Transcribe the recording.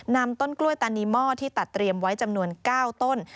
นำต้นกล้วยตานีหม้อที่ตัดเรียมไว้จำนวน๙ต้น